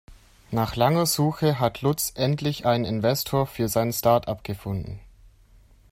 Nach langer Suche hat Lutz endlich einen Investor für sein Startup gefunden.